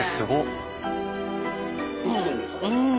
うん。